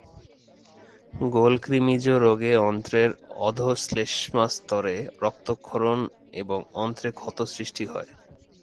গোলকৃমিজ রোগে অন্ত্রের অধঃশ্লেষ্মাস্তরে রক্তক্ষরণ এবং অন্ত্রে ক্ষত সৃষ্টি হয়।